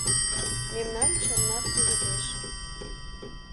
Мемнан чоннат пеледеш.